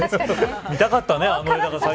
見たかったね